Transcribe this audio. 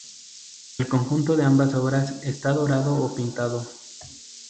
El conjunto de ambas obras está dorado o pintado.